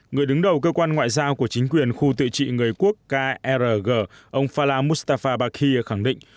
người đứng đầu cơ quan ngoại giao của chính quyền khu tự trị người quốc ông fala mustafa bakier khẳng định